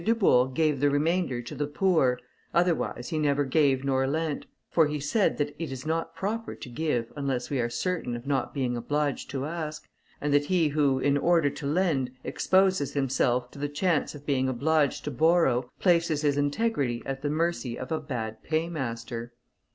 Dubourg gave the remainder to the poor, otherwise, he neither gave nor lent; for he said that "it is not proper to give unless we are certain of not being obliged to ask, and that he who, in order to lend, exposes himself to the chance of being obliged to borrow, places his integrity at the mercy of a bad paymaster."